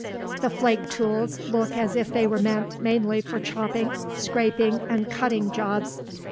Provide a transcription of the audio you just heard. The flake tools look as if they were meant mainly for chopping, scraping, and cutting jobs.